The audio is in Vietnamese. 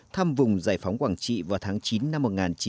thăm vùng giải phóng quảng trị vào tháng chín năm một nghìn chín trăm bảy mươi